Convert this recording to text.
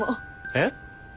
えっ？